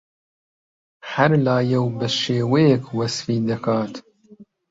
هەر لایەو بەشێوەیەک وەسفی دەکات